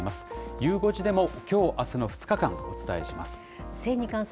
ゆう５時でもきょうあすの２日間、お伝えします。